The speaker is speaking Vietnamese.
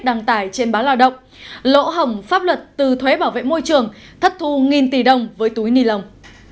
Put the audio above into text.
đăng tải trên báo lao động lỗ hổng pháp luật từ thuế bảo vệ môi trường thất thu nghìn tỷ đồng với túi ni lông